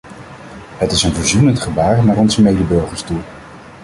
Het is een verzoenend gebaar naar onze medeburgers toe.